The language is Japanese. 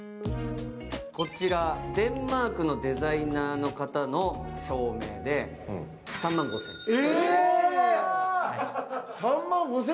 こちら、デンマークのデザイナーの方の照明で３万５０００円。